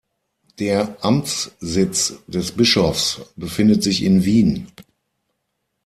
Der Amtssitz des Bischofs befindet sich in Wien.